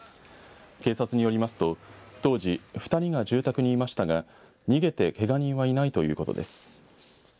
警察によりますと当時２人が住宅にいましたが逃げてけが人はいないということです。